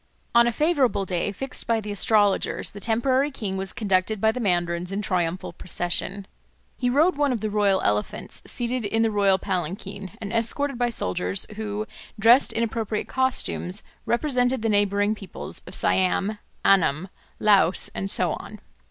On a favourable day fixed by the astrologers the temporary king was conducted by the mandarins in triumphal procession. He rode one of the royal elephants, seated in the royal palanquin, and escorted by soldiers who, dressed in appropriate costumes, represented the neighbouring peoples of Siam, Annam, Laos, and so on.